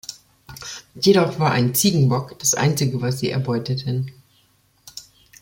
Jedoch war ein Ziegenbock das einzige, was sie erbeuteten.